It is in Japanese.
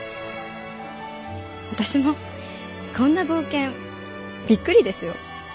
私もこんな冒険びっくりですよ。